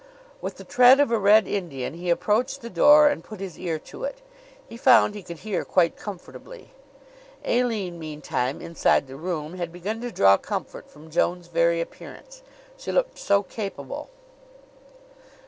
With the tread of a red Indian, he approached the door and put his ear to it. He found he could hear quite comfortably. Aline, meantime, inside the room, had begun to draw comfort from Joan's very appearance, she looked so capable.